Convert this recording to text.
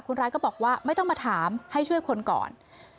คนร้ายก็บอกว่าไม่ต้องมาถามให้ช่วยคนก่อน